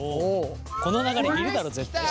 この流れいるだろ絶対。